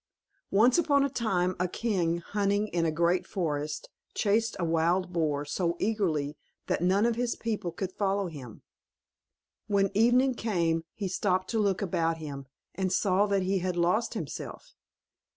Once upon a time, a king, hunting in a great forest, chased a wild boar so eagerly, that none of his people could follow him. When evening came, he stopped to look about him, and saw that he had lost himself.